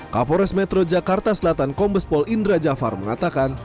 kapolres metro jakarta selatan kombespol indra jafar mengatakan